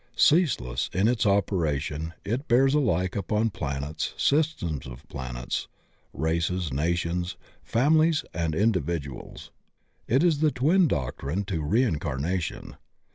Ceaseless in its operation, it bears alike upon planets, systems of planets, races, nations, families, and individuals. It is the twin doctrine to reincarnation.